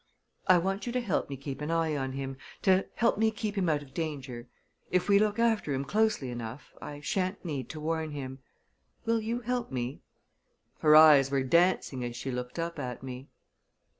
I want you to help me keep an eye on him to help me keep him out of danger. If we look after him closely enough, I shan't need to warn him. Will you help me?" Her eyes were dancing as she looked up at me.